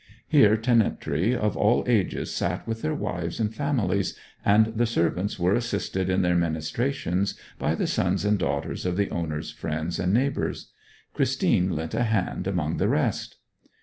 Here tenantry of all ages sat with their wives and families, and the servants were assisted in their ministrations by the sons and daughters of the owner's friends and neighbours. Christine lent a hand among the rest.